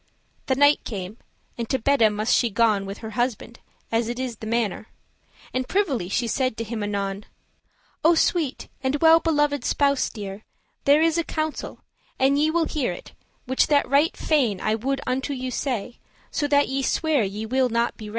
*praying The night came, and to bedde must she gon With her husband, as it is the mannere; And privily she said to him anon; "O sweet and well beloved spouse dear, There is a counsel,* an' ye will it hear, *secret if Which that right fain I would unto you say, So that ye swear ye will it not bewray."